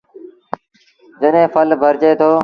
جڏيݩ ڦل ڀرجي دو۔